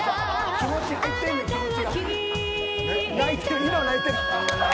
気持ち入ってんねん気持ちが。